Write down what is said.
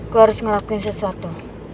gue harus ngelakuin sesuatu